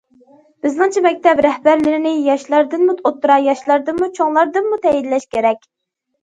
بىزنىڭچە مەكتەپ رەھبەرلىرىنى ياشلاردىنمۇ، ئوتتۇرا ياشلاردىنمۇ، چوڭلاردىنمۇ تەيىنلەش كېرەك.